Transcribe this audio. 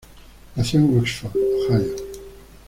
Nació en Oxford, Ohio.